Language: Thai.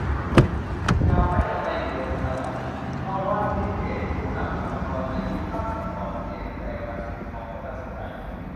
อยากให้อะไรอยู่บนธนบัตร - ถวัติ ฤทธิเดช ผู้นำกรรมกรในยุคตั้งแต่ก่อนเปลี่ยนแปลงการปกครอง ก็น่าสนใจ